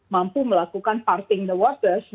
mampu melakukan parting the waters